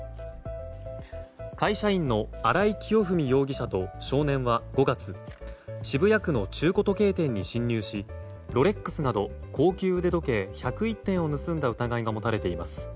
会社員の荒井清文容疑者と少年は５月渋谷区の中古時計店に侵入しロレックスなど高級腕時計１０１点を盗んだ疑いが持たれています。